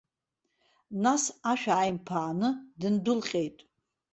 Нас ашә ааимԥааны дындәылҟьеит.